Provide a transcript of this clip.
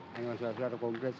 hanya suara suara kongres